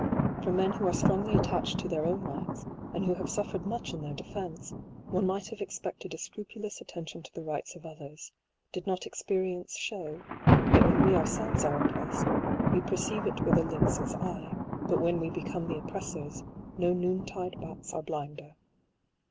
From men who are strongly attached to their own rights, and who have suffered much in their defence, one might have expected a scrupulous attention to the rights of others j did not experience shew, that when we ourselves are oppressed, we perceive it with a lynx's eye ; but when we become the oppressors, no noon tide bats are blinder.